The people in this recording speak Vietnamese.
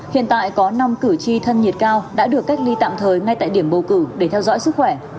hiện tại có năm cử tri thân nhiệt cao đã được cách ly tạm thời ngay tại điểm bầu cử để theo dõi sức khỏe